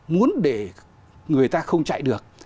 muốn để người ta không chạy được